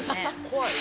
怖い。